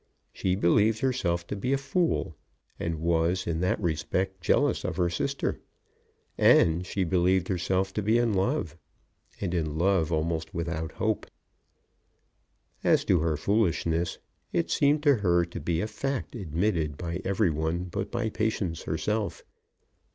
She believed herself to be a fool, and was in that respect jealous of her sister; and she believed herself to be in love, and in love almost without hope. As to her foolishness, it seemed to her to be a fact admitted by every one but by Patience herself.